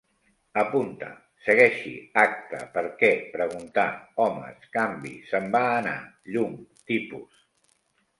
Apunta: segueixi, acte, per què, preguntar, homes, canvi, se'n va anar, llum, tipus